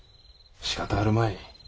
しかたあるまい。